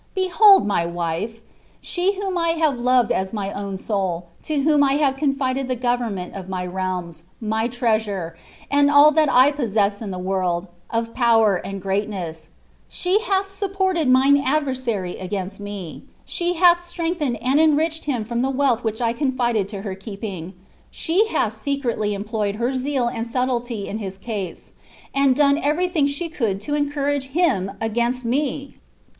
'' Behold mr vift, she whom I have loved as my own soul, to whom 1 have con mi tb* ^vemment of my realms, my treasure, aud all that I possessed iaAavtmd, of power and greatness — she haiK supported mine adver Wfigliaat me — she halh strengthened and enriched him from the vaUt which I conlided to her keeping — she hath secretly employed iu ImI ind flubtlely in his cause, and done everytliing she could to JB him against me